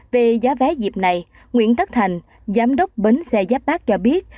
về giá vé dịp này nguyễn thất thành giám đốc bến xe giáp bác cho biết